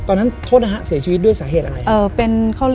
โทษนะฮะเสียชีวิตด้วยสาเหตุอะไร